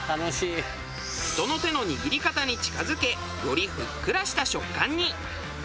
人の手の握り方に近付けよりふっくらした食感に。